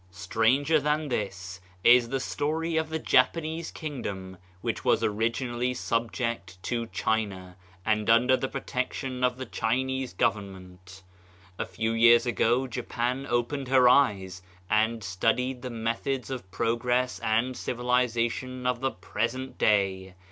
Stranger than this is the story of the Japanese kingdom, which was originally subject to China and under the protection of the Chinese Govern ment. A few years ago Japan opened her eyes, and studied the methods of progress and civiliza tion of the present day.